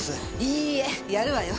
いいえやるわよ。